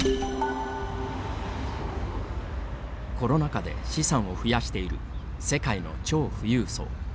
コロナ禍で資産を増やしている世界の超富裕層。